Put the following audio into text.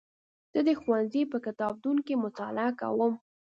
زه د ښوونځي په کتابتون کې مطالعه کوم.